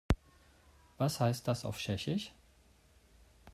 Was heißt das auf Tschechisch?